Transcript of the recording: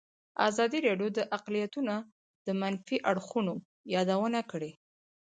ازادي راډیو د اقلیتونه د منفي اړخونو یادونه کړې.